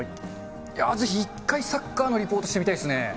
ぜひ一回、サッカーのリポートしてみたいですね。